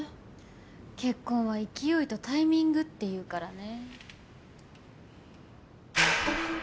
結婚は勢いとタイミングって言うからね。